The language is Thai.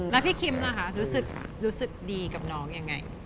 แล้วพี่คิมล่ะคะรู้สึกดีกับน้องยังไง